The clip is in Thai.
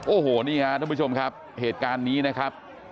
โอ้โหนี่ฮะทุกผู้ชมครับเหตุการณ์นี้นะครับ